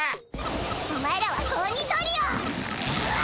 お前らは子鬼トリオ！